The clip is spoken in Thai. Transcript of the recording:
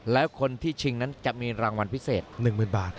แล้วคนที่ชิงนั้นจะมีรางวัลพิเศษ๑๐๐๐บาท